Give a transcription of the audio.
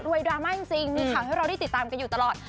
ดราม่าจริงมีข่าวให้เราได้ติดตามกันอยู่ตลอด